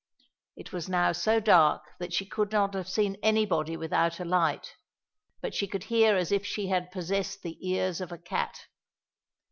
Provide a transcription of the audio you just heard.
It was now so dark that she could not have seen anybody without a light, but she could hear as if she had possessed the ears of a cat.